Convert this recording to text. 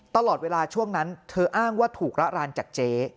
ตลอดเวลาช่วงนั้นเธออ้างว่าถูกระรานจากเจ๊